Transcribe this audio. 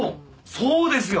そうですよ！